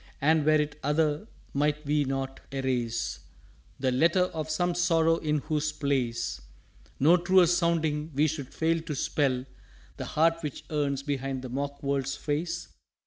_" "And were it other, might we not erase The Letter of some Sorrow in whose place No truer sounding, we should fail to spell The Heart which yearns behind the mock world's Face?"